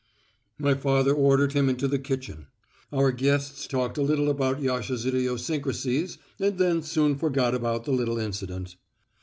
My father ordered him into the kitchen. Our guests talked a little about Yasha's idiosyncrasies and then soon forgot about the little incident.